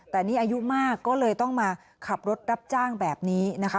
แต่นี่อายุมากก็เลยต้องมาขับรถรับจ้างแบบนี้นะคะ